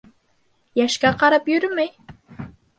Йәшкә ҡарап йөрөмәй